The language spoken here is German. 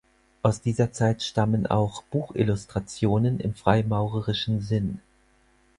Aus dieser Zeit stammen auch Buchillustrationen im freimaurerischen Sinn.